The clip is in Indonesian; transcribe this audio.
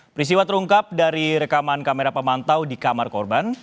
peristiwa terungkap dari rekaman kamera pemantau di kamar korban